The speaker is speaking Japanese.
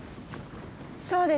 そうですね